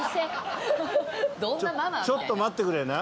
ちょっと待ってくれな。